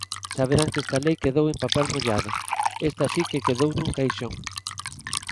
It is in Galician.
Saberán que esta lei quedou en papel mollado, esta si que quedou nun caixón.